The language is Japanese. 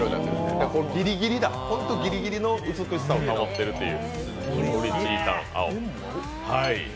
ギリギリだ本当にギリギリの美しさを保ってるという。